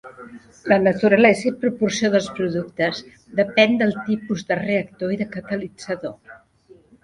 La naturalesa i proporció dels productes depèn del tipus de reactor i de catalitzador.